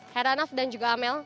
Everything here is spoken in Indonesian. heranaf dan juga amel